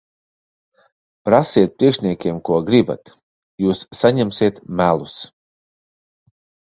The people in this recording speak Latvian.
Prasiet priekšniekiem, ko gribat. Jūs saņemsiet melus.